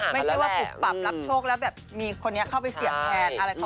และเบาอาจเปิดปรับแล้วเบาอาจจะกี่บาท